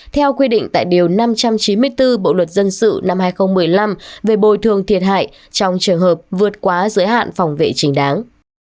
theo quy định tại điều năm trăm chín mươi bốn bộ luật dân sự năm hai nghìn một mươi năm về bồi thường thiệt hại trong trường hợp vượt quá giới hạn phòng vệ trình đáng